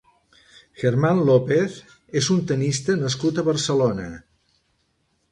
Germán López és un tennista nascut a Barcelona.